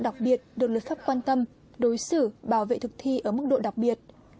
đặc biệt được luật pháp quan tâm đối xử bảo vệ thực thi ở mức độ đặc biệt